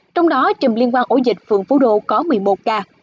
trong đó trình liên quan ổ dịch phường phú đô có một mươi một ca